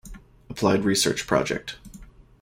Applied Research Project.